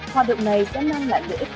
hoạt động này sẽ mang lại lợi ích